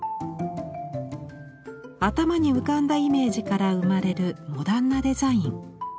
頭に浮かんだイメージから生まれるモダンなデザイン。